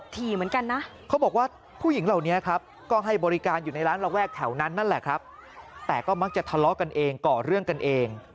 แต่ก็มักจะทะเลาะกันเองก่อเรื่องกันเอง